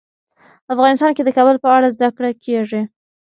افغانستان کې د کابل په اړه زده کړه کېږي.